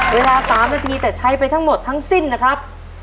เวลา๓นาทีแต่ใช้ไปทั้งหมดทั้งสิ้นนะครับ